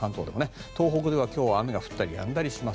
東北では今日雨が降ったりやんだりです。